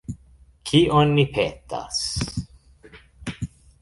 Kion ni petas.